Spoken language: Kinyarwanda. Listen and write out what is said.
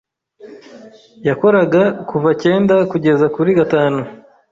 Yakoraga kuva cyenda kugeza kuri gatanu.